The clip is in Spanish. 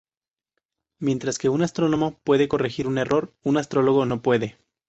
Mientras que un astrónomo puede corregir un error, un astrólogo no puede.